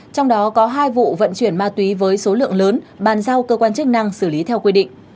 trong đó có hai vụ vận chuyển ma túy với số lượng lớn bàn giao cơ quan chức năng xử lý theo quy định